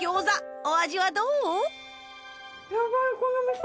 お味はどう？